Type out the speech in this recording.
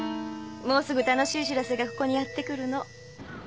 もうすぐ楽しい知らせがここにやってくるの。